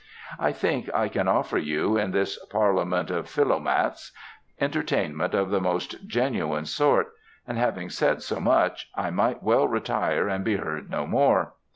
I think I can offer you, in this parliament of philomaths, entertainment of the most genuine sort; and having said so much, I might well retire and be heard no more.